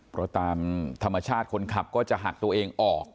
เพราะตามธรรมชาติคนขับก็จะหักตัวเองออก